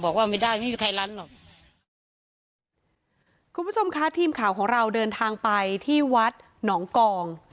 คุณผู้ชมคะทีมข่าวของเราเดินทางไปที่วัดหนองกอง